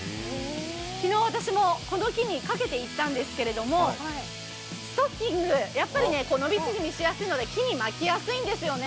昨日私もこの木にかけていったんですけどストッキング、やっぱり伸び縮みしやすいので、木に巻きやすいんですよね。